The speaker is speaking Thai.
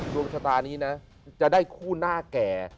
ดวงชะตานี้นะจะได้คู่หน้าแก่